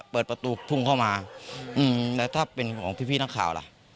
ประตูคงเข้ามาถึงและถักกันของพิธีมักมะ